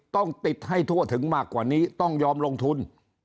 ต้องติดให้ทั่วถึงมากกว่านี้ต้องยอมลงทุน